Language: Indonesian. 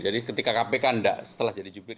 jadi ketika kpk enggak setelah jadi jubir